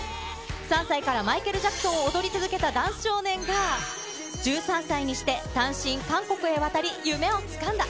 ３歳からマイケル・ジャクソンを踊り続けたダンス少年が、１３歳にして単身韓国へ渡り、夢をつかんだ。